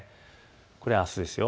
これはあすです。